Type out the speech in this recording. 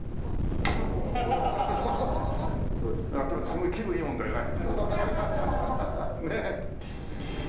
すごい気分いいもんだよね。